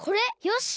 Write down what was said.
よし！